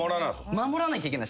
守らなきゃいけない。